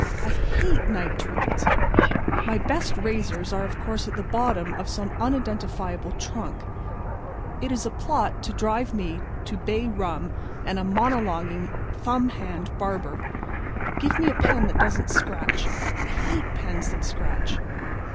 I hate night trains. My best razors are, of course, at the bottom of some unidentifiable trunk. It is a plot to drive me to bay rum and a monologueing, thumb handed barber. Give me a pen that doesn't scratch. I hate pens that scratch."